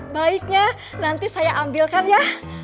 baiknya nanti saya ambilkan ya